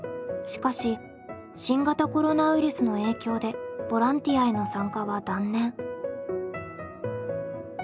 しかし新型コロナウイルスの影響でボランティアへの参加は断念。